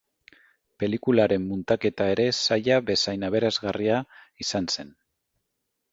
Pelikularen muntaketa ere zaila bezain aberasgarria izan zen.